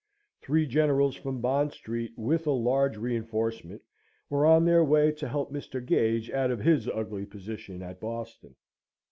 Three generals from Bond Street, with a large reinforcement, were on their way to help Mr. Gage out of his ugly position at Boston.